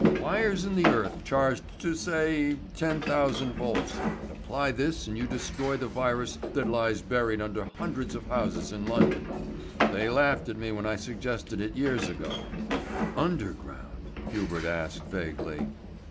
Wires in the earth charged to say 10,000 volts. Apply this and you destroy the virus that lies buried under hundreds of houses in London. They laughed at me when I suggested it years ago." "Underground," Hubert asked vaguely.